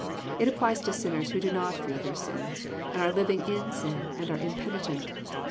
It applies to sinners who do not feel their sins, and are living in sin, and are Impenitent.